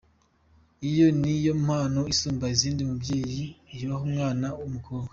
Iyo ni yo mpano isumba izindi umubyeyi yaha umwana w’umukobwa.